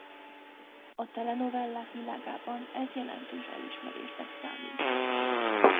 A telenovellák világában ez jelentős elismerésnek számít.